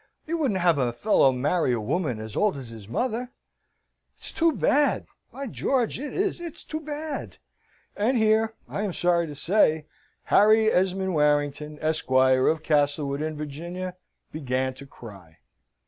You wouldn't have a fellow marry a woman as old as his mother? It's too bad: by George it is. It's too bad." And here, I am sorry to say, Harry Esmond Warrington, Esquire, of Castlewood, in Virginia, began to cry.